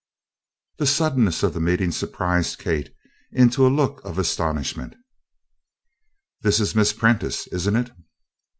The suddenness of the meeting surprised Kate into a look of astonishment. "This is Miss Prentice, isn't it?"